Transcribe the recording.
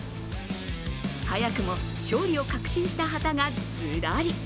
早くも勝利を確信した旗がズラリ。